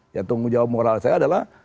ya tanggung jawab moral saya adalah